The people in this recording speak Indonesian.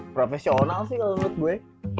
profesional sih kalau menurut gue